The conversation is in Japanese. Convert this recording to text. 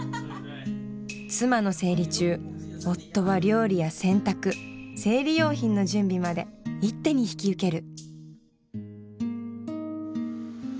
妻の生理中夫は料理や洗濯生理用品の準備まで一手に引き受ける。